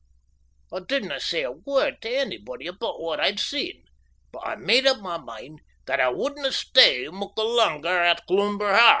I didna say a word tae anybody aboot what I'd seen, but I made up my mind that I wudna stay muckle langer at Cloomber Ha'.